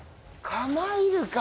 カマイルカ！